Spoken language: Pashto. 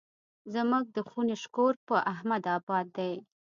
زموږ د خونې شکور په احمد اباد دی.